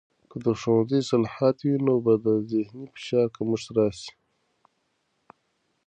که د ښوونځي اصلاحات وي، نو به د ذهني فشار کمښت راسي.